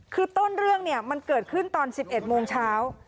คือต้นเรื่องเนี่ยมันเกิดขึ้นตอน๑๑โมงเช้า